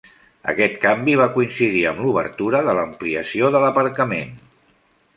Aquest canvi va coincidir amb l'obertura de l'ampliació de l'aparcament.